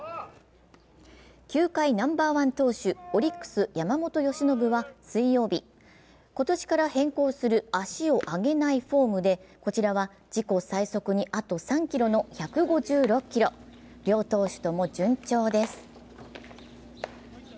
球界ナンバーワン投手、オリックス・山本由伸は水曜日、今年から変更する足を上げないフォームで、こちらは自己最速にあと３キロの１５６キロ、両投手とも順調です。